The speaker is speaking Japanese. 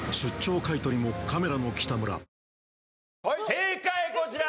正解こちら！